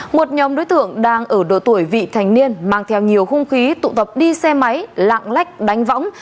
một nhóm đối tượng đang ở độ tuổi vị thành niên mang theo nhiều hung khí tụ tập đi xe máy lạng lách đánh võng